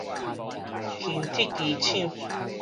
輕鐵機廠